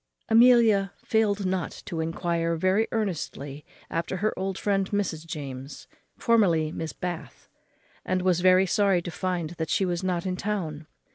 Amelia failed not to enquire very earnestly after her old friend Mrs. James, formerly Miss Bath, and was very sorry to find that she was not in town.